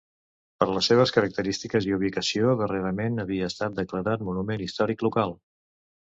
Per les seves característiques i ubicació darrerament havia estat declarat monument històric local.